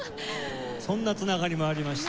そんな繋がりもありまして。